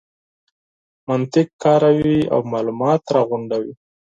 منطق کاروي او مالومات راغونډوي.